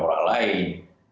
untuk menjelaskan orang lain